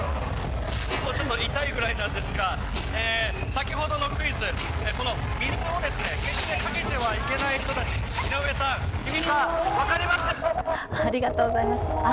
ちょっと痛いぐらいなんですが先ほどのクイズ、水を決してかけてはいけない人たち、井上さん、日比さん、分かりますか？